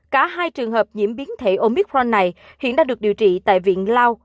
cả hai trường hợp nhiễm biến thể omicron này hiện đã được điều trị tại viện lao